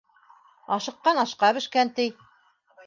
Ашыҡҡан ашҡа бешкән, ти.